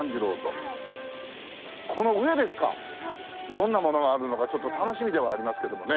どんなものがあるのかちょっと楽しみではありますけどもね。